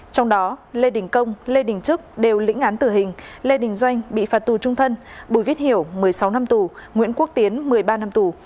trong đó lê đình công lê đình trức đều lĩnh án tử hình lê đình doanh bị phạt tù trung thân bùi viết hiểu một mươi sáu năm tù nguyễn quốc tiến một mươi ba năm tù